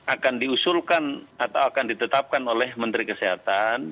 akan diusulkan atau akan ditetapkan oleh menteri kesehatan